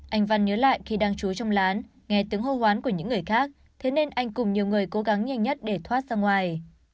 anh văn nhớ lại khi đang chú trong lán nghe tiếng hô hoán của những người khác thế nên anh cùng nhiều người cố gắng nhanh nhất để thoát ra ngoài